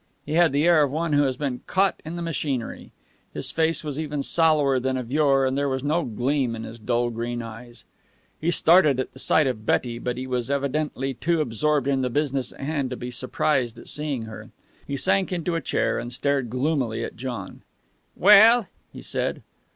He had the air of one who has been caught in the machinery. His face was even sallower than of yore, and there was no gleam in his dull green eyes. He started at the sight of Betty, but he was evidently too absorbed in the business in hand to be surprised at seeing her. He sank into a chair, and stared gloomily at John. "Well?" he said.